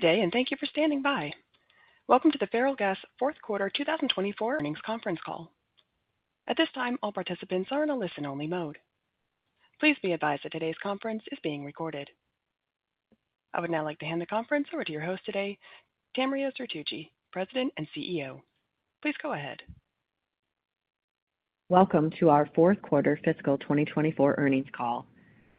Good day, and thank you for standing by. Welcome to the Ferrellgas Fourth Quarter two thousand and twenty-four Earnings Conference Call. At this time, all participants are in a listen-only mode. Please be advised that today's conference is being recorded. I would now like to hand the conference over to your host today, Tamria Zertuche, President and CEO. Please go ahead. Welcome to our fourth quarter fiscal twenty twenty-four earnings call.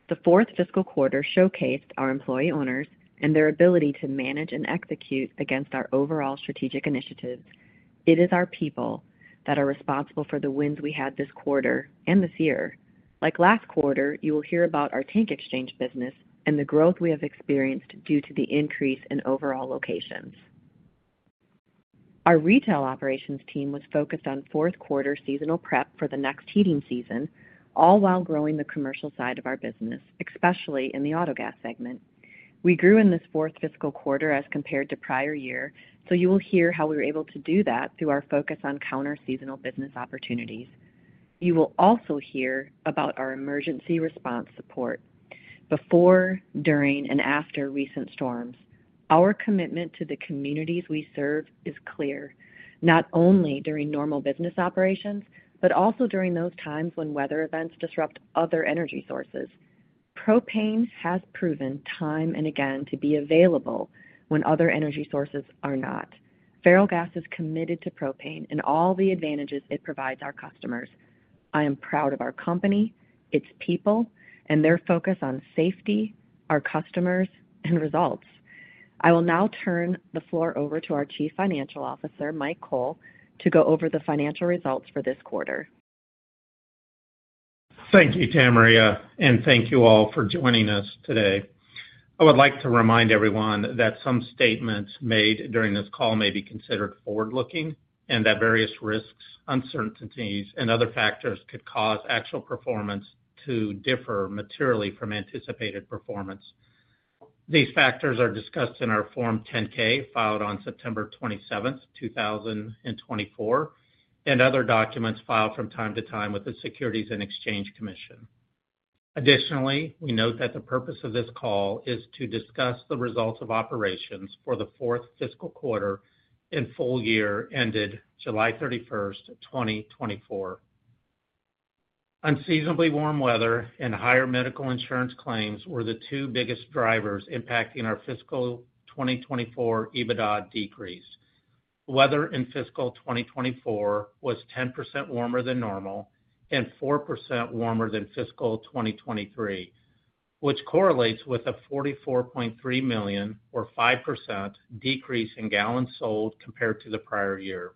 The fourth fiscal quarter showcased our employee owners and their ability to manage and execute against our overall strategic initiatives. It is our people that are responsible for the wins we had this quarter and this year. Like last quarter, you will hear about our tank exchange business and the growth we have experienced due to the increase in overall locations. Our retail operations team was focused on fourth quarter seasonal prep for the next heating season, all while growing the commercial side of our business, especially in the autogas segment. We grew in this fourth fiscal quarter as compared to prior year, so you will hear how we were able to do that through our focus on counter-seasonal business opportunities. You will also hear about our emergency response support before, during, and after recent storms. Our commitment to the communities we serve is clear, not only during normal business operations, but also during those times when weather events disrupt other energy sources. Propane has proven time and again to be available when other energy sources are not. Ferrellgas is committed to propane and all the advantages it provides our customers. I am proud of our company, its people, and their focus on safety, our customers, and results. I will now turn the floor over to our Chief Financial Officer, Mike Cole, to go over the financial results for this quarter. Thank you, Tamria, and thank you all for joining us today. I would like to remind everyone that some statements made during this call may be considered forward-looking and that various risks, uncertainties, and other factors could cause actual performance to differ materially from anticipated performance. These factors are discussed in our Form 10-K, filed on September twenty-seventh, two thousand and twenty-four, and other documents filed from time to time with the Securities and Exchange Commission. Additionally, we note that the purpose of this call is to discuss the results of operations for the fourth fiscal quarter and full year ended July thirty-first, twenty twenty-four. Unseasonably warm weather and higher medical insurance claims were the two biggest drivers impacting our fiscal twenty twenty-four EBITDA decrease. Weather in fiscal 2024 was 10% warmer than normal and 4% warmer than fiscal 2023, which correlates with a 44.3 million or 5% decrease in gallons sold compared to the prior year.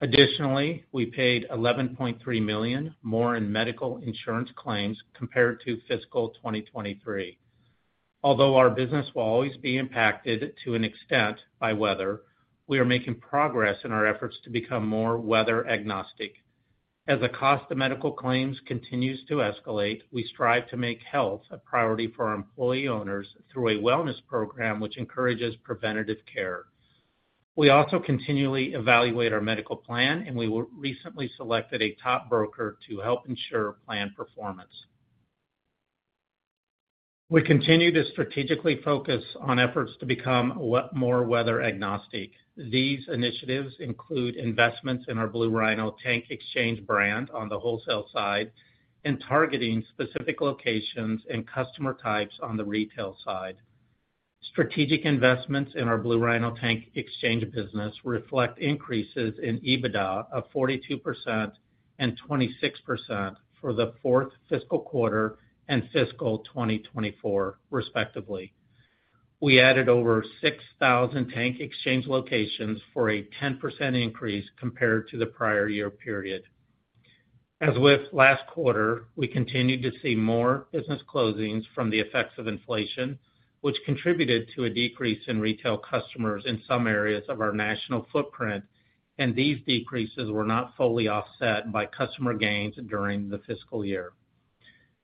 Additionally, we paid $11.3 million more in medical insurance claims compared to fiscal 2023. Although our business will always be impacted to an extent by weather, we are making progress in our efforts to become more weather agnostic. As the cost of medical claims continues to escalate, we strive to make health a priority for our employee owners through a wellness program, which encourages preventative care. We also continually evaluate our medical plan, and we recently selected a top broker to help ensure plan performance. We continue to strategically focus on efforts to become more weather agnostic. These initiatives include investments in our Blue Rhino tank exchange brand on the wholesale side and targeting specific locations and customer types on the retail side. Strategic investments in our Blue Rhino tank exchange business reflect increases in EBITDA of 42% and 26% for the fourth fiscal quarter and fiscal 2024, respectively. We added over 6,000 tank exchange locations for a 10% increase compared to the prior year period. As with last quarter, we continued to see more business closings from the effects of inflation, which contributed to a decrease in retail customers in some areas of our national footprint, and these decreases were not fully offset by customer gains during the fiscal year.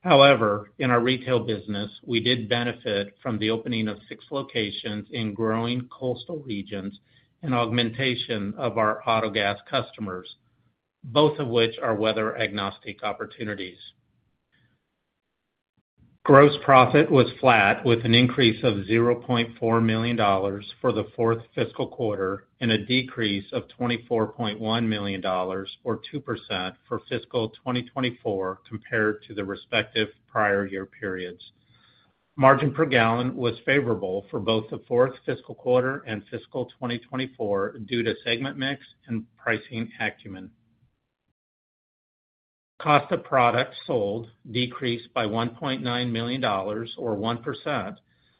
However, in our retail business, we did benefit from the opening of six locations in growing coastal regions and augmentation of our Autogas customers, both of which are weather agnostic opportunities. Gross profit was flat, with an increase of $0.4 million for the fourth fiscal quarter and a decrease of $24.1 million, or 2%, for fiscal 2024 compared to the respective prior year periods. Margin per gallon was favorable for both the fourth fiscal quarter and fiscal 2024 due to segment mix and pricing acumen. Cost of products sold decreased by $1.9 million, or 1%,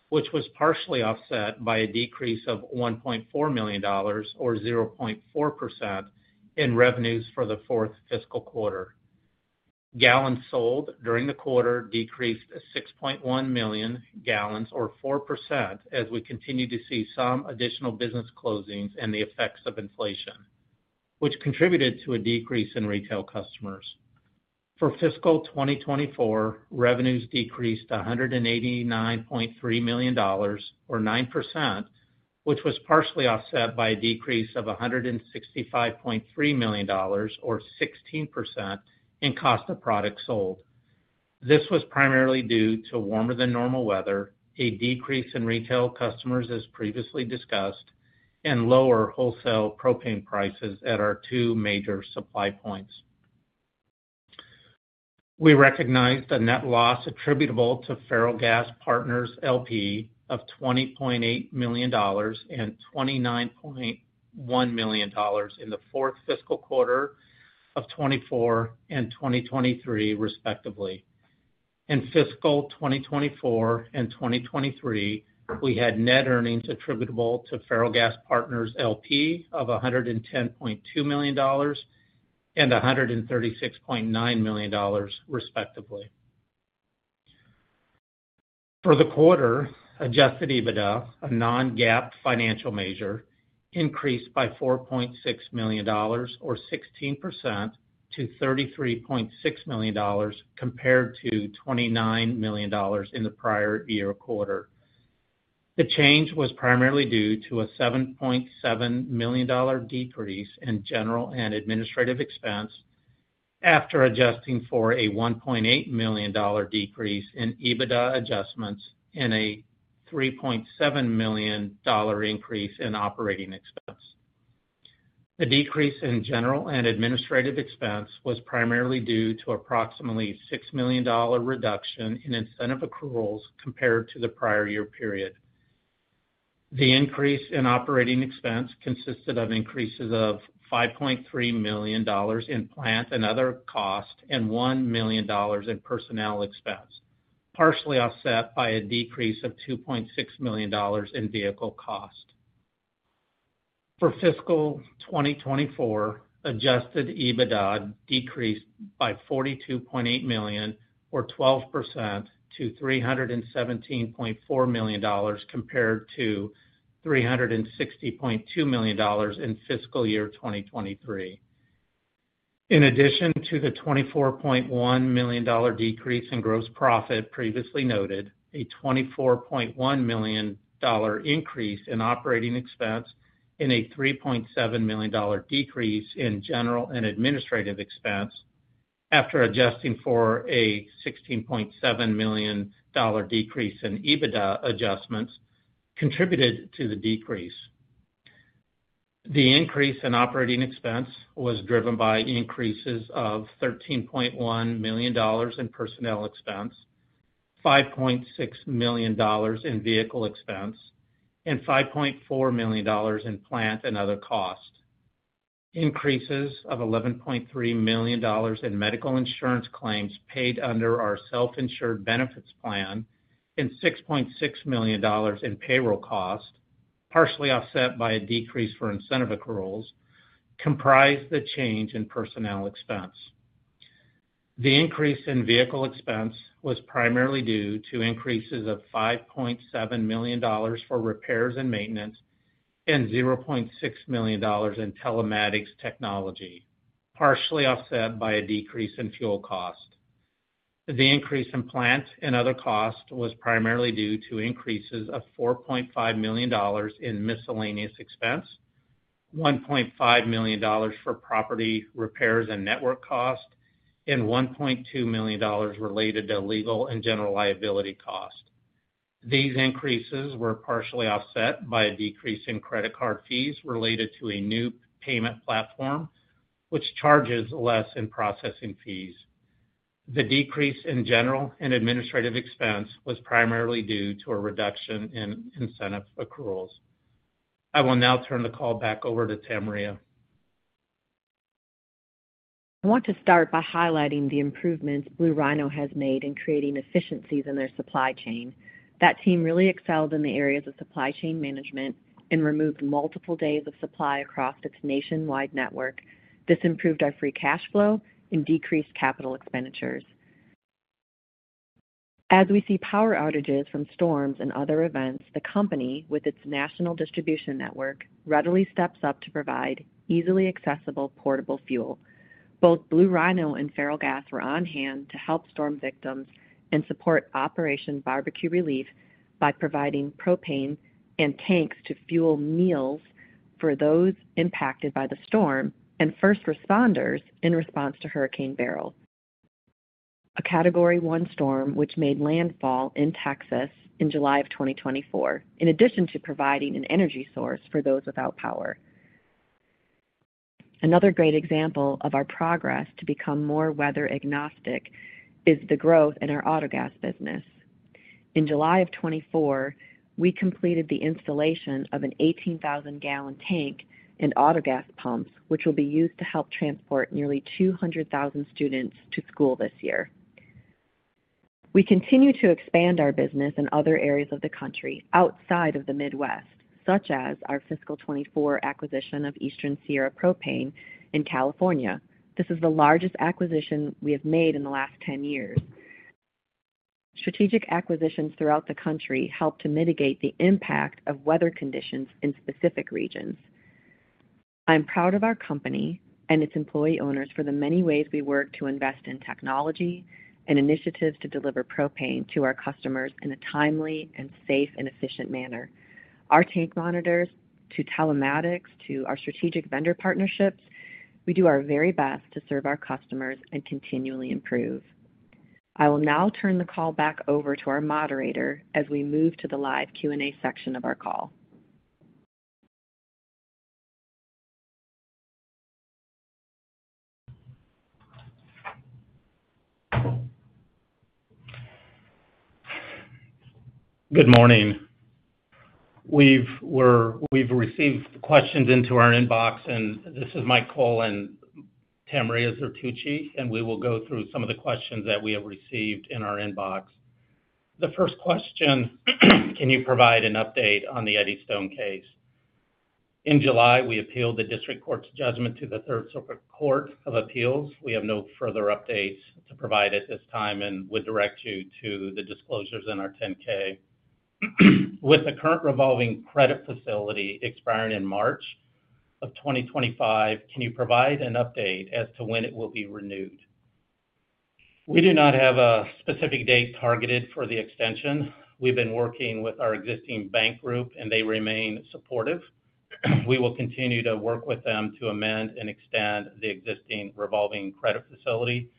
which was partially offset by a decrease of $1.4 million, or 0.4%, in revenues for the fourth fiscal quarter. Gallons sold during the quarter decreased 6.1 million gallons, or 4%, as we continued to see some additional business closings and the effects of inflation, which contributed to a decrease in retail customers. For fiscal 2024, revenues decreased $189.3 million or 9%, which was partially offset by a decrease of $165.3 million, or 16%, in cost of products sold. This was primarily due to warmer than normal weather, a decrease in retail customers, as previously discussed, and lower wholesale propane prices at our two major supply points. We recognized a net loss attributable to Ferrellgas Partners, L.P., of $20.8 million and $29.1 million in the fourth fiscal quarter of 2024 and 2023, respectively. In fiscal 2024 and 2023, we had net earnings attributable to Ferrellgas Partners, L.P. of $110.2 million and $136.9 million, respectively. For the quarter, Adjusted EBITDA, a non-GAAP financial measure, increased by $4.6 million or 16% to $33.6 million, compared to $29 million in the prior year quarter. The change was primarily due to a $7.7 million decrease in general and administrative expense, after adjusting for a $1.8 million decrease in EBITDA adjustments and a $3.7 million increase in operating expense. The decrease in general and administrative expense was primarily due to approximately $6 million reduction in incentive accruals compared to the prior year period. The increase in operating expense consisted of increases of $5.3 million in plant and other costs, and $1 million in personnel expense, partially offset by a decrease of $2.6 million in vehicle cost. For fiscal 2024, Adjusted EBITDA decreased by $42.8 million, or 12% to $317.4 million compared to $360.2 million in fiscal year 2023. In addition to the $24.1 million decrease in gross profit previously noted, a $24.1 million increase in operating expense and a $3.7 million decrease in general and administrative expense, after adjusting for a $16.7 million decrease in EBITDA adjustments, contributed to the decrease. The increase in operating expense was driven by increases of $13.1 million in personnel expense, $5.6 million in vehicle expense, and $5.4 million in plant and other costs. Increases of $11.3 million in medical insurance claims paid under our self-insured benefits plan and $6.6 million in payroll costs, partially offset by a decrease for incentive accruals, comprised the change in personnel expense. The increase in vehicle expense was primarily due to increases of $5.7 million for repairs and maintenance and $0.6 million in telematics technology, partially offset by a decrease in fuel cost. The increase in plant and other costs was primarily due to increases of $4.5 million in miscellaneous expense, $1.5 million for property repairs and network costs, and $1.2 million related to legal and general liability costs. These increases were partially offset by a decrease in credit card fees related to a new payment platform, which charges less in processing fees. The decrease in general and administrative expense was primarily due to a reduction in incentive accruals. I will now turn the call back over to Tamria. I want to start by highlighting the improvements Blue Rhino has made in creating efficiencies in their supply chain. That team really excelled in the areas of supply chain management and removed multiple days of supply across its nationwide network. This improved our free cash flow and decreased capital expenditures. As we see power outages from storms and other events, the company, with its national distribution network, readily steps up to provide easily accessible portable fuel. Both Blue Rhino and Ferrellgas were on hand to help storm victims and support Operation BBQ Relief by providing propane and tanks to fuel meals for those impacted by the storm and first responders in response to Hurricane Beryl, a Category One storm, which made landfall in Texas in July of twenty twenty-four, in addition to providing an energy source for those without power. Another great example of our progress to become more weather agnostic is the growth in our Autogas business. In July of 2024, we completed the installation of an 18,000-gallon tank and Autogas pumps, which will be used to help transport nearly 200,000 students to school this year. We continue to expand our business in other areas of the country outside of the Midwest, such as our fiscal 2024 acquisition of Eastern Sierra Propane in California. This is the largest acquisition we have made in the last 10 years. Strategic acquisitions throughout the country help to mitigate the impact of weather conditions in specific regions. I'm proud of our company and its employee owners for the many ways we work to invest in technology and initiatives to deliver propane to our customers in a timely and safe and efficient manner. Our tank monitors, to telematics, to our strategic vendor partnerships, ... We do our very best to serve our customers and continually improve. I will now turn the call back over to our moderator as we move to the live Q&A section of our call. Good morning. We've received questions into our inbox, and this is Mike Cole and Tamria Zertuche, and we will go through some of the questions that we have received in our inbox. The first question: Can you provide an update on the Eddystone case? In July, we appealed the District Court's judgment to the Third Circuit Court of Appeals. We have no further updates to provide at this time and would direct you to the disclosures in our 10-K. With the current revolving credit facility expiring in March of 2025, can you provide an update as to when it will be renewed? We do not have a specific date targeted for the extension. We've been working with our existing bank group, and they remain supportive. We will continue to work with them to amend and extend the existing revolving credit facility.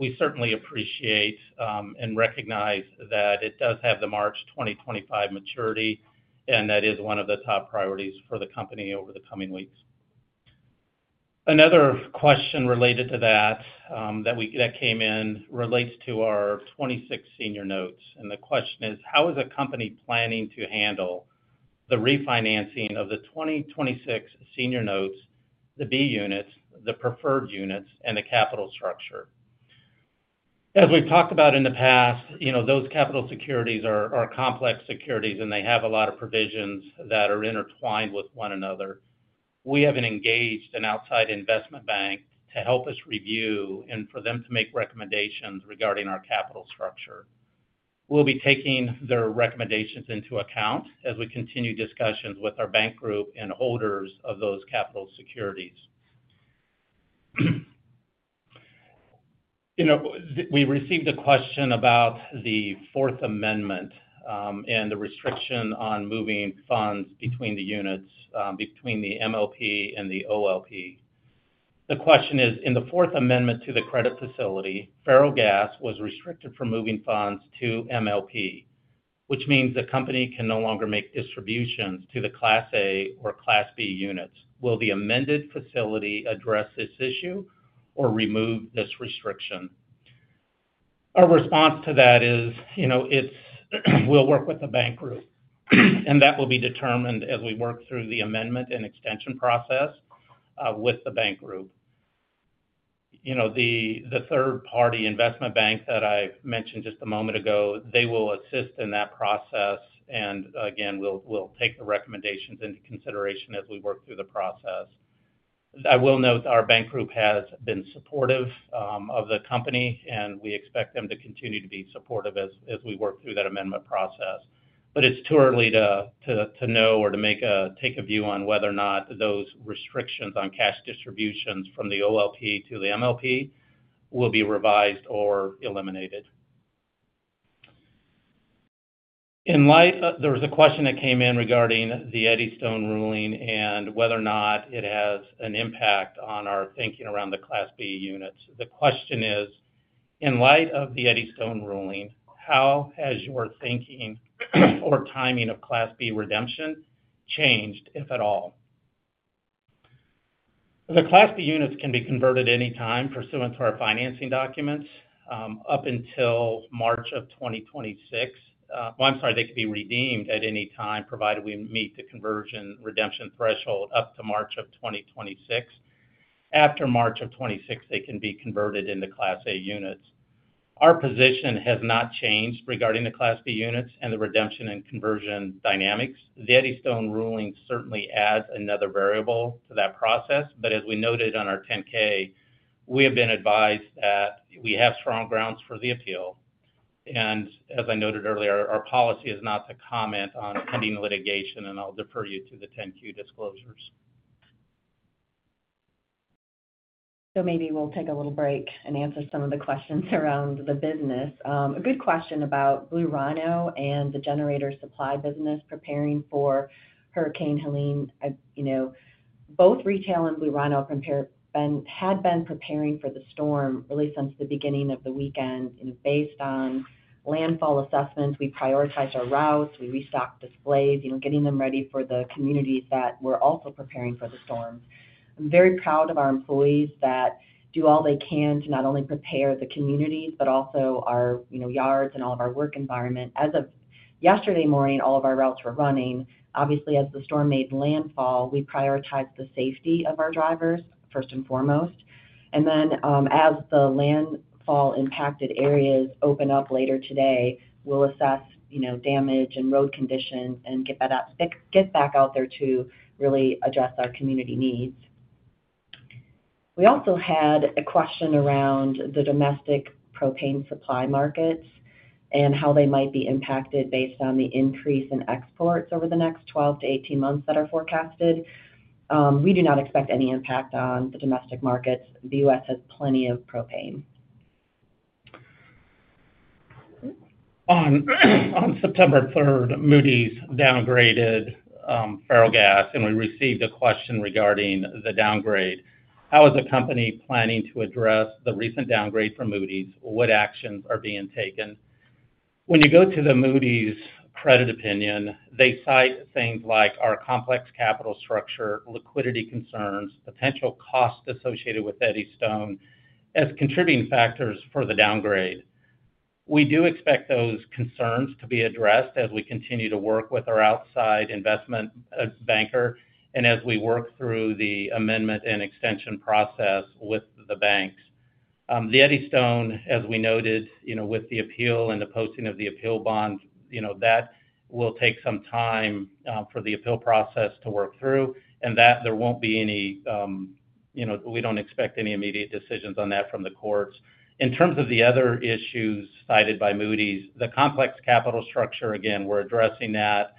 We certainly appreciate, and recognize that it does have the March twenty twenty-five maturity, and that is one of the top priorities for the company over the coming weeks. Another question related to that, that came in relates to our twenty-six senior notes, and the question is: How is the company planning to handle the refinancing of the twenty twenty-six senior notes, the B units, the preferred units, and the capital structure? As we've talked about in the past, you know, those capital securities are complex securities, and they have a lot of provisions that are intertwined with one another. We have engaged an outside investment bank to help us review and for them to make recommendations regarding our capital structure. We'll be taking their recommendations into account as we continue discussions with our bank group and holders of those capital securities. You know, we received a question about the Fourth Amendment, and the restriction on moving funds between the units, between the MLP and the OLP. The question is, in the Fourth Amendment to the credit facility, Ferrellgas was restricted from moving funds to MLP, which means the company can no longer make distributions to the Class A or Class B units. Will the amended facility address this issue or remove this restriction? Our response to that is, you know, it's we'll work with the bank group, and that will be determined as we work through the amendment and extension process, with the bank group. You know, the third-party investment bank that I mentioned just a moment ago, they will assist in that process, and again, we'll take the recommendations into consideration as we work through the process. I will note our bank group has been supportive of the company, and we expect them to continue to be supportive as we work through that amendment process. But it's too early to know or to take a view on whether or not those restrictions on cash distributions from the OLP to the MLP will be revised or eliminated. In light, there was a question that came in regarding the Eddystone ruling and whether or not it has an impact on our thinking around the Class B units. The question is: In light of the Eddystone ruling, how has your thinking or timing of Class B redemption changed, if at all? The Class B units can be converted anytime pursuant to our financing documents up until March of 2026. Well, I'm sorry, they can be redeemed at any time, provided we meet the conversion redemption threshold up to March of 2026. After March of 2026, they can be converted into Class A units. Our position has not changed regarding the Class B units and the redemption and conversion dynamics. The Eddystone ruling certainly adds another variable to that process, but as we noted on our 10-K, we have been advised that we have strong grounds for the appeal, and as I noted earlier, our policy is not to comment on pending litigation, and I'll refer you to the 10-Q disclosures. So maybe we'll take a little break and answer some of the questions around the business. A good question about Blue Rhino and the generator supply business preparing for Hurricane Helene. You know, both retail and Blue Rhino have been preparing for the storm really since the beginning of the weekend, and based on landfall assessments, we prioritized our routes, we restocked displays, you know, getting them ready for the communities that were also preparing for the storm. I'm very proud of our employees that do all they can to not only prepare the communities, but also our, you know, yards and all of our work environment. As of yesterday morning, all of our routes were running. Obviously, as the storm made landfall, we prioritized the safety of our drivers first and foremost. And then, as the landfall impacted areas open up later today, we'll assess, you know, damage and road conditions and get back out there to really address our community needs. We also had a question around the domestic propane supply markets and how they might be impacted based on the increase in exports over the next 12-18 months that are forecasted. We do not expect any impact on the domestic markets. The U.S. has plenty of propane.... On September third, Moody's downgraded Ferrellgas, and we received a question regarding the downgrade. How is the company planning to address the recent downgrade from Moody's? What actions are being taken? When you go to the Moody's credit opinion, they cite things like our complex capital structure, liquidity concerns, potential costs associated with Eddystone, as contributing factors for the downgrade. We do expect those concerns to be addressed as we continue to work with our outside investment banker and as we work through the amendment and extension process with the banks. The Eddystone, as we noted, you know, with the appeal and the posting of the appeal bond, you know, that will take some time for the appeal process to work through, and that there won't be any, you know, we don't expect any immediate decisions on that from the courts. In terms of the other issues cited by Moody's, the complex capital structure, again, we're addressing that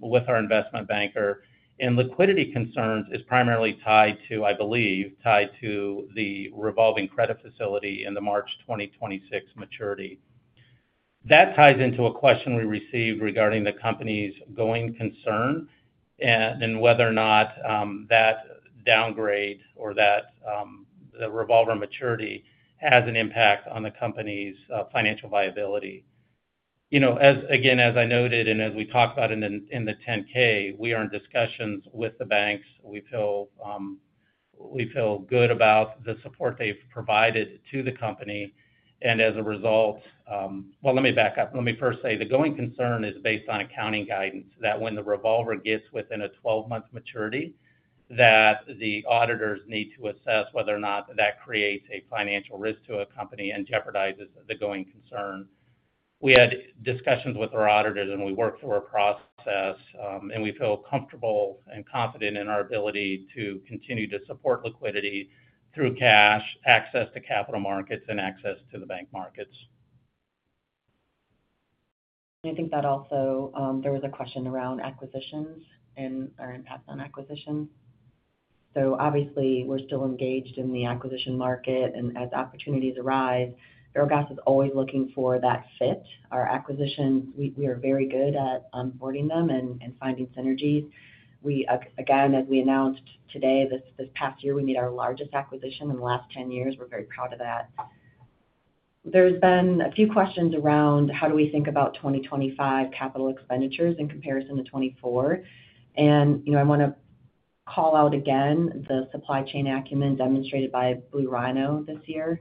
with our investment banker. Liquidity concerns is primarily tied to, I believe, the revolving credit facility in the March 2026 maturity. That ties into a question we received regarding the company's going concern and whether or not that downgrade or the revolver maturity has an impact on the company's financial viability. You know, again, as I noted and as we talked about in the 10-K, we are in discussions with the banks. We feel good about the support they've provided to the company, and as a result... Well, let me back up. Let me first say, the going concern is based on accounting guidance, that when the revolver gets within a twelve-month maturity, that the auditors need to assess whether or not that creates a financial risk to a company and jeopardizes the going concern. We had discussions with our auditors, and we worked through a process, and we feel comfortable and confident in our ability to continue to support liquidity through cash, access to capital markets, and access to the bank markets. I think that also, there was a question around acquisitions and our impact on acquisitions. Obviously, we're still engaged in the acquisition market, and as opportunities arise, Ferrellgas is always looking for that fit. Our acquisition, we are very good at onboarding them and finding synergies. Again, as we announced today, this, this past year, we made our largest acquisition in the last ten years. We're very proud of that. There's been a few questions around how do we think about twenty twenty-five capital expenditures in comparison to twenty-four. You know, I wanna call out again the supply chain acumen demonstrated by Blue Rhino this year.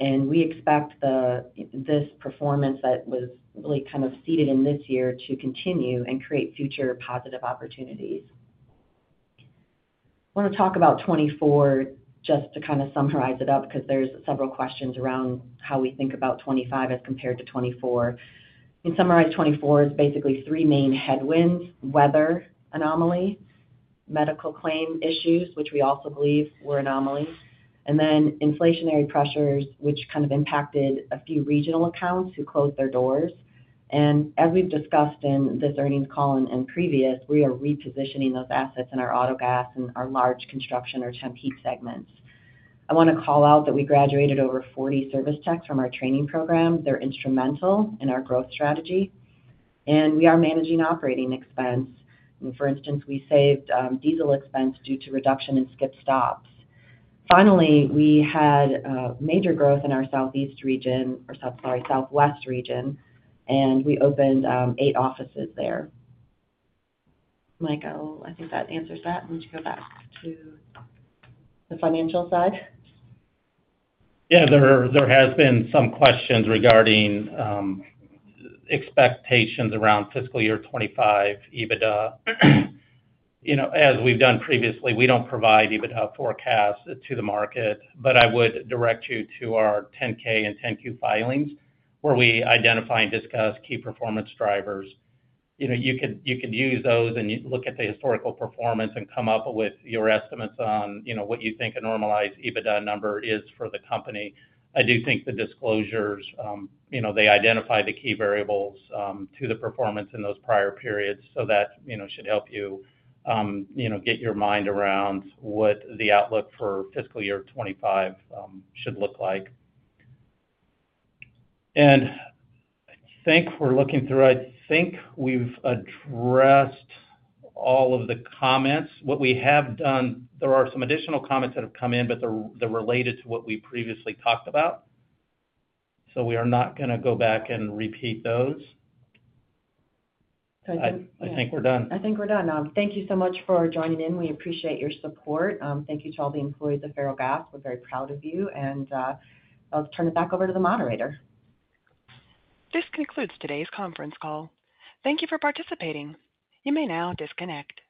We expect the, this performance that was really kind of seeded in this year to continue and create future positive opportunities. I wanna talk about 2024, just to kind of summarize it up, because there's several questions around how we think about 2025 as compared to 2024. In summary, 2024 is basically three main headwinds: weather anomaly, medical claim issues, which we also believe were anomalies, and then inflationary pressures, which kind of impacted a few regional accounts who closed their doors, and as we've discussed in this earnings call and previous, we are repositioning those assets in our Autogas and our large construction or temp heat segments. I wanna call out that we graduated over 40 service techs from our training program. They're instrumental in our growth strategy, and we are managing operating expense. For instance, we saved diesel expense due to reduction in skip stops. Finally, we had major growth in our Southeast region, or South, sorry, Southwest region, and we opened 8 offices there. Mike, I think that answers that. Why don't you go back to the financial side? Yeah, there, there has been some questions regarding expectations around fiscal year 2025 EBITDA. You know, as we've done previously, we don't provide EBITDA forecasts to the market, but I would direct you to our 10-K and 10-Q filings, where we identify and discuss key performance drivers. You know, you could use those, and you look at the historical performance and come up with your estimates on, you know, what you think a normalized EBITDA number is for the company. I do think the disclosures, you know, they identify the key variables to the performance in those prior periods. So that, you know, should help you, you know, get your mind around what the outlook for fiscal year 2025 should look like. And I think we're looking through... I think we've addressed all of the comments. What we have done, there are some additional comments that have come in, but they're related to what we previously talked about, so we are not gonna go back and repeat those. I think- I think we're done. I think we're done. Thank you so much for joining in. We appreciate your support. Thank you to all the employees of Ferrellgas. We're very proud of you, and I'll turn it back over to the moderator. This concludes today's conference call. Thank you for participating. You may now disconnect.